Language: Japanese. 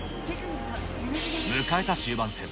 迎えた終盤戦。